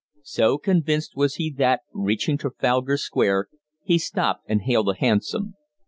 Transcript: So convinced was he that, reaching Trafalgar Square, he stopped and hailed a hansom.